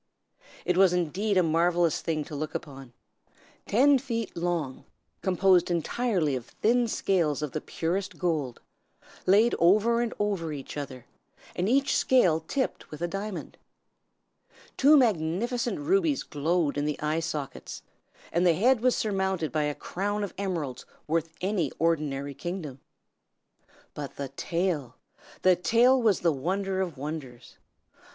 It was, indeed, a marvellous thing to look upon. Ten feet long, composed entirely of thin scales of the purest gold, laid over and over each other, and each scale tipped with a diamond. Two magnificent rubies glowed in the eye sockets, and the head was surmounted by a crown of emeralds worth any ordinary kingdom. But the tail! the tail was the wonder of wonders.